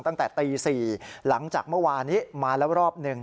ตั้งแต่ตี๔หลังจากเมื่อวานี้มาแล้วรอบหนึ่ง